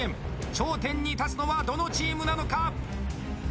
頂点に立つのは、どのチームなのか！